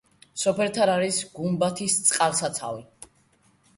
სოფელთან არის გუმათის წყალსაცავი.